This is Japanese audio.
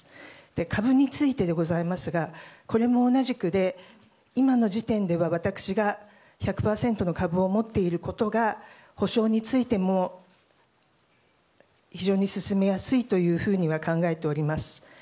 株についてでございますがこれも同じくで今の時点では私が１００％の株を持っていることが補償についても非常に進めやすいというふうに考えております。